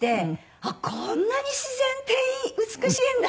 あっこんなに自然って美しいんだ！